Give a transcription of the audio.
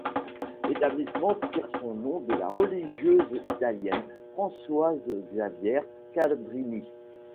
L'établissement tire son nom de la religieuse italienne Françoise-Xavière Cabrini.